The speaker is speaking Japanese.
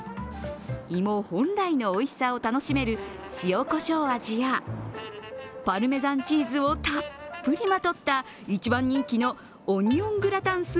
芋本来のおいしさを楽しめる塩こしょう味やパルメザンチーズをたっぷりまとった一番人気のオニオングラタン